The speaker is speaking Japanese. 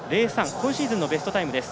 今シーズンのベストタイムです。